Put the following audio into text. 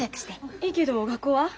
いいけど学校は？